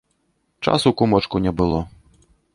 Часу, кумочку, не было.